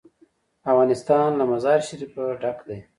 افغانستان له مزارشریف ډک دی.